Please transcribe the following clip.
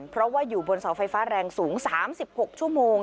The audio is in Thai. เพราะว่าอยู่บนเสาไฟฟ้าแรงสูง๓๖ชั่วโมง